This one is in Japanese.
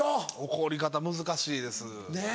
怒り方難しいです。ねぇ。